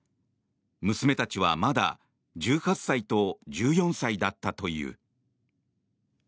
娘たちは、まだ１８歳と１４歳だったという。